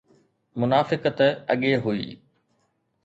منافقت اڳي هئي.